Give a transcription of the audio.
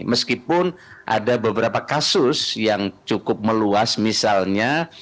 meskipun ada beberapa kasus yang cukup meluas misalnya